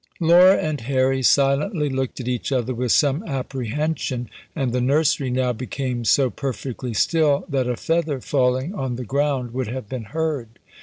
Laura and Harry silently looked at each other with some apprehension, and the nursery now became so perfectly still, that a feather falling on the ground would have been heard.